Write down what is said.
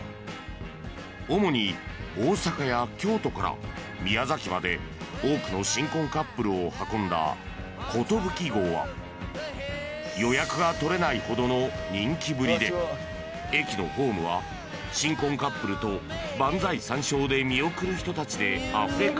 ［主に大阪や京都から宮崎まで多くの新婚カップルを運んだことぶき号は予約が取れないほどの人気ぶりで駅のホームは新婚カップルと万歳三唱で見送る人たちであふれかえっていたといいます］